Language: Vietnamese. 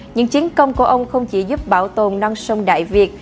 những chiến công của ông không chỉ giúp bảo tồn non sông đại việt